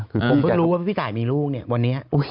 ผมเพิ่งรู้ว่าพี่ตายมีลูกเนี่ยวันนี้